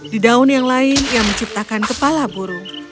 di daun yang lain ia menciptakan kepala burung